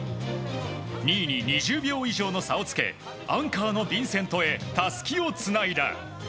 ２位に２０秒以上の差をつけアンカーのヴィンセントにたすきをつないだ。